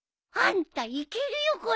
あんたいけるよ